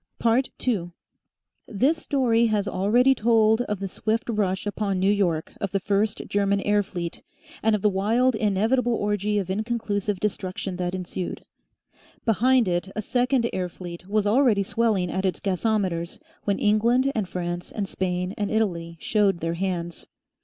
2 This story has already told of the swift rush upon New York of the first German air fleet and of the wild, inevitable orgy of inconclusive destruction that ensued. Behind it a second air fleet was already swelling at its gasometers when England and France and Spain and Italy showed their hands.